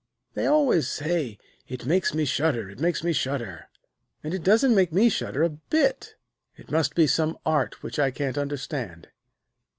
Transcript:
'They always say "It makes me shudder! It makes me shudder!" And it doesn't make me shudder a bit. It must be some art which I can't understand.'